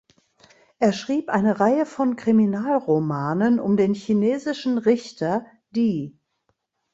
Er schrieb eine Reihe von Kriminalromanen um den chinesischen Richter Di.